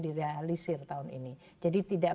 direalisir tahun ini jadi tidak